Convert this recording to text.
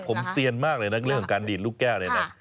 ผมเซียนมากเลยนะเรื่องของการดีดลูกแก้วเลยนะ